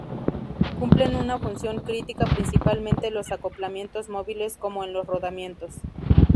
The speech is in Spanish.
Cumplen una función crítica principalmente en los acoplamientos móviles como en los rodamientos.